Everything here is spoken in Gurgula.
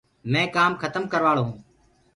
مينٚ ڪآم کتم ڪرواݪو هونٚ۔